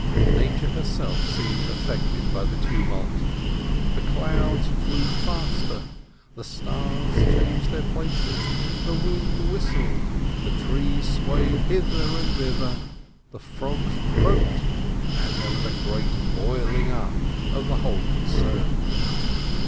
Nature herself seemed affected by the tumult, the clouds flew faster, the stars changed their places, the wind whistled, the trees swayed hither and thither, the frogs croaked, there was a great boiling up of the whole concern.